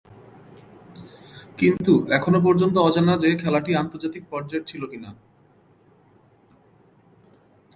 কিন্তু, এখনো পর্যন্ত অজানা যে, খেলাটি আন্তর্জাতিক পর্যায়ের ছিল কি-না!